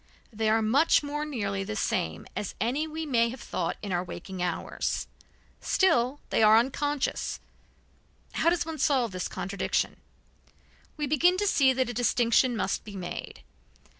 They are much more nearly the same as any we may have thought in our waking hours. Still they are unconscious; how does one solve this contradiction? We begin to see that a distinction must be made.